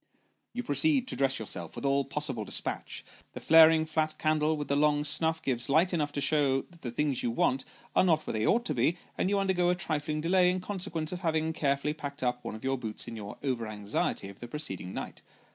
You proceed to dress yourself, with all possible despatch. Tho flaring flat candle with the long snuff, gives light enough to show that the things you want are not where they ought to be, and you undergo a trifling delay in consequence of having carefully packed up one of your boots in your over anxiety of the preceding night.